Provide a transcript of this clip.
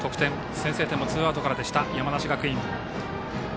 先制点もツーアウトからでした山梨学院。